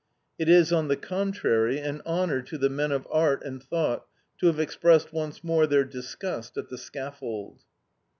IT IS, ON THE CONTRARY, AN HONOR TO THE MEN OF ART AND THOUGHT TO HAVE EXPRESSED ONCE MORE THEIR DISGUST AT THE SCAFFOLD."